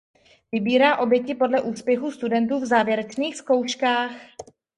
Vybírá oběti podle úspěchu studentů v závěrečných zkouškách.